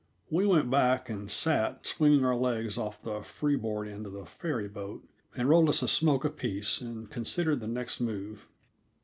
We went back and sat swinging our legs off the free board end of the ferry boat, and rolled us a smoke apiece and considered the next move.